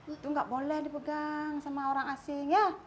itu nggak boleh dipegang sama orang asing ya